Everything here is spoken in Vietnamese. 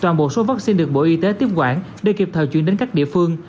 một số vắc xin được bộ y tế tiếp quản để kịp thời chuyển đến các địa phương